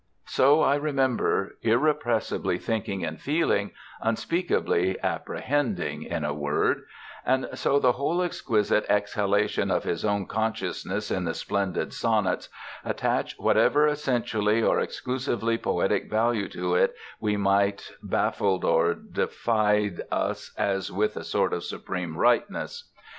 So I remember irrepressibly thinking and feeling, unspeakably apprehending, in a word; and so the whole exquisite exhalation of his own consciousness in the splendid sonnets, attach whatever essentially or exclusively poetic value to it we might, baffled or defied us as with a sort of supreme rightness.